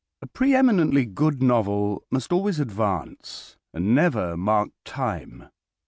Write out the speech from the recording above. A pre eminently good novel must always advance and never mark time.